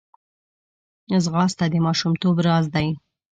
ځغاسته د ماشومتوب راز دی